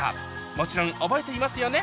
もちろん覚えていますよね？